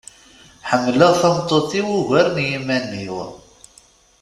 Ḥemleɣ tameṭṭut-iw ugar n yiman-iw.